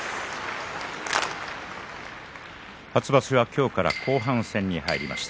初場所は今日から後半戦に入りました。